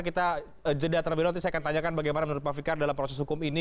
kita jeda terlebih nanti saya akan tanyakan bagaimana menurut pak fikar dalam proses hukum ini